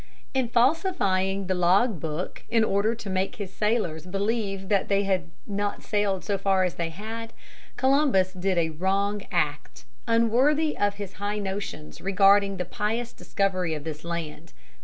In falsifying the log book in order to make his sailors believe that they had not sailed so far as they had, Columbus did a wrong act, unworthy of his high notions regarding the pious discovery of this land.